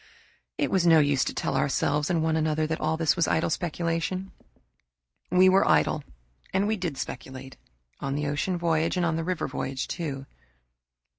It was no use to tell ourselves and one another that all this was idle speculation. We were idle and we did speculate, on the ocean voyage and the river voyage, too.